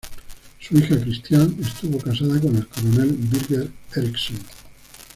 Su hija Christiane estuvo casada con el coronel Birger Eriksen.